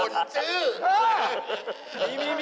อ่อนชื่อ